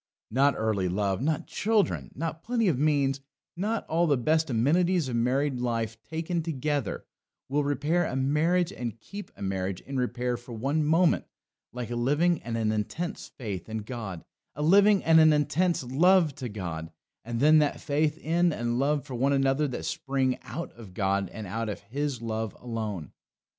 Not early love, not children, not plenty of means, not all the best amenities of married life taken together, will repair a marriage and keep a marriage in repair for one moment like a living and an intense faith in God; a living and an intense love to God; and then that faith in and love for one another that spring out of God and out of His love alone.